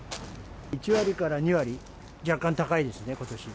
１割から２割、若干高いですね、ことし。